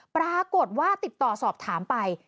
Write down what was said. ปรากฏว่าติดต่อสอบถามไป